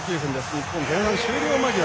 日本、前半終了間際。